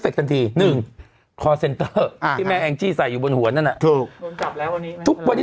กันทีหนึ่งที่แม่แองจี้ใส่อยู่บนหัวนั่นอ่ะถูกโดนจับแล้ววันนี้